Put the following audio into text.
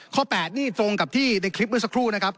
๘นี่ตรงกับที่ในคลิปเมื่อสักครู่นะครับ